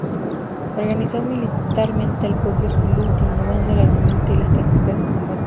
Organizó militarmente al pueblo zulú, renovando el armamento y las tácticas de combate.